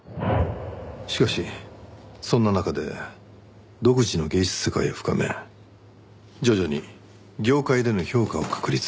しかしそんな中で独自の芸術世界を深め徐々に業界での評価を確立。